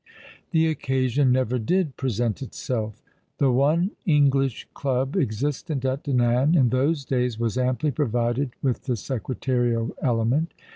The occasion never did present itself. The one English club existent at Dinan in those days was amply provided 24 All along the River, with tlie secretarial element.